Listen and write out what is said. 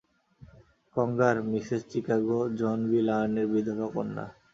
কংগার, Mrs Chicago John B লায়নের বিধবা কন্যা।